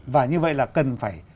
và như vậy là cần phải